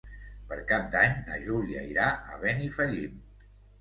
Per Cap d'Any na Júlia irà a Benifallim.